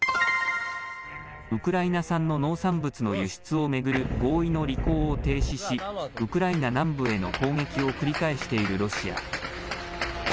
ウクライナ産の農産物の輸出を巡る合意の履行を停止し、ウクライナ南部への攻撃を繰り返しているロシア。